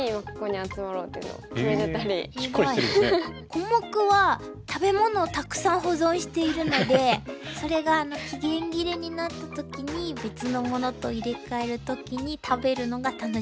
コモクは食べ物をたくさん保存しているのでそれが期限切れになった時に別の物と入れ替える時に食べるのが楽しみです。